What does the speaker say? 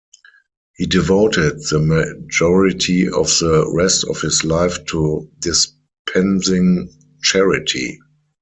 He devoted the majority of the rest of his life to dispensing charity.